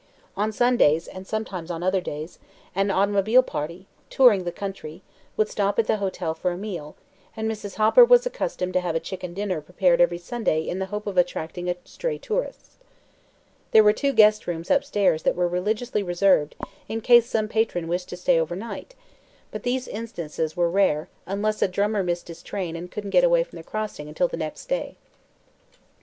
On Sundays and sometimes on other days an automobile party, touring the country, would stop at the hotel for a meal, and Mrs. Hopper was accustomed to have a chicken dinner prepared every Sunday in the hope of attracting a stray tourist. There were two guest rooms upstairs that were religiously reserved in case some patron wished to stay overnight, but these instances were rare unless a drummer missed his train and couldn't get away from the Crossing until the next day.